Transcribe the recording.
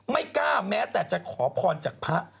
ไม่กล้าแม้แต่จะขอพรจากพระ